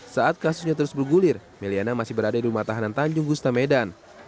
saat kasusnya terus bergulir meliana masih berada di rumah tahanan tanjung gustamedan